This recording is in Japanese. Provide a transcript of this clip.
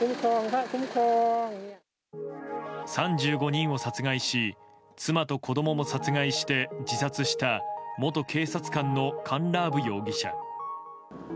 ３５人を殺害し妻と子供も殺害して自殺した元警察官のカンラーブ容疑者。